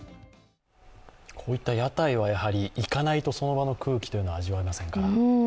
こういった屋台は行かないとその場の空気は味わえませんから。